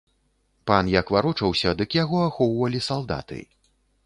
Пан як варочаўся, дык яго ахоўвалі салдаты.